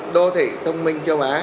đô thị thông minh châu á